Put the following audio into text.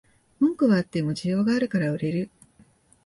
文句はあっても需要があるから売れる